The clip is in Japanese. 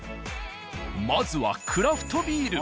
まずはクラフトビール。